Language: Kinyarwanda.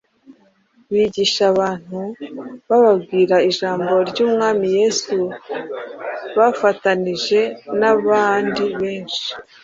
bigisha abantu bababwira ijambo ry’Umwami Yesu bafatanije n’abandi benshi.